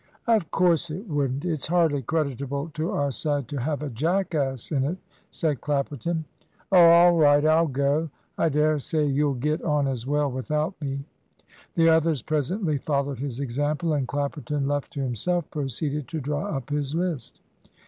"Of course it wouldn't; it's hardly creditable to our side to have a jackass in it," said Clapperton. "Oh, all right I'll go. I dare say you'll get on as well without me." The others presently followed his example, and Clapperton, left to himself, proceeded to draw up his list.